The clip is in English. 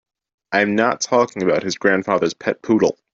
I'm not talking about his grandfather's pet poodle.